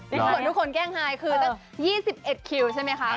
เหมือนทุกคนแกล้งไฮคือตั้ง๒๑คิวใช่ไหมคะ